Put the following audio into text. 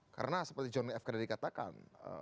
karena seperti john f kennedy katakan